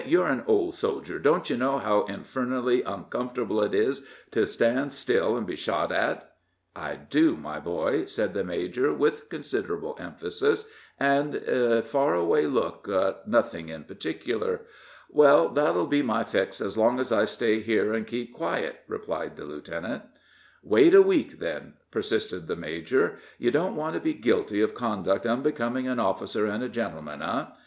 you're an old soldier don't you know how infernally uncomfortable it is to stand still and be shot at?" "I do, my boy," said the major, with considerable emphasis, and a far away look at nothing in particular. "Well, that'll be my fix as long as I stay here and keep quiet," replied the lieutenant. "Wait a week, then," persisted the major. "You don't want to be 'guilty of conduct unbecoming an officer and a gentleman,' eh?